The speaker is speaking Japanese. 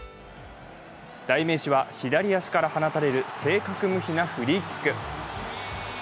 代名詞は左足から放たれる正確無比なフリーキック。